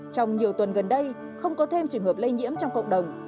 trong nhiều tuần gần đây không có thêm trường hợp lây nhiễm trong cộng đồng